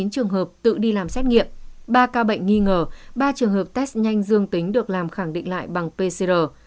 hai mươi trường hợp tự đi làm xét nghiệm ba ca bệnh nghi ngờ ba trường hợp test nhanh dương tính được làm khẳng định lại bằng pcr